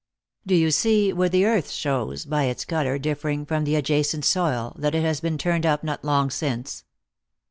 " Do you see where the earth shows, by its color differing from the adjacent soil, that it has been turned up not long since